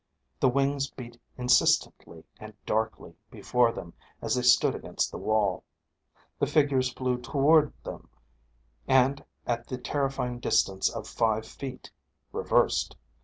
The wings beat insistently and darkly before them as they stood against the wall. The figures flew toward them and at the terrifying distance of five feet, reversed.